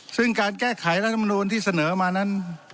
ซึ่งการแก้ไขรัฐมนูลที่เสนอมานั้น